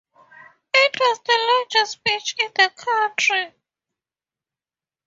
It was the largest beach in the county.